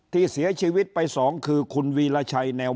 ที่เสียชีวิตไปสองคือคุณวีรชัยแนว